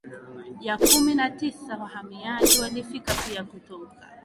ya kumi na tisa wahamiaji walifika pia kutoka